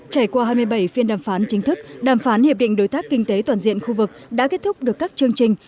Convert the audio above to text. trải qua hai mươi bảy phiên đàm phán chính thức đàm phán hiệp định đối tác kinh tế toàn diện khu vực đã kết thúc được các chương trình